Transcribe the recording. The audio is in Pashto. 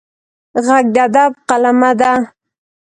غږ د ادب قلمه ده